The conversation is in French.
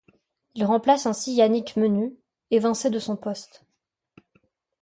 Il remplace ainsi Yannick Menu, évincé de son poste.